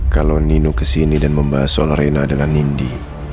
kalau nino kesini dan membahas soal reina dengan nindi